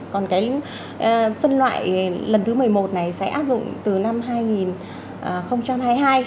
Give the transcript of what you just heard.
còn cái phân loại lần thứ một mươi một này sẽ áp dụng từ năm hai nghìn hai mươi hai